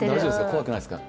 怖くないですか？